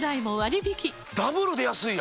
ダブルで安いな！